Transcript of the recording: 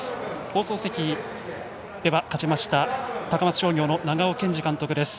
放送席、では勝ちました高松商業の長尾健司監督です。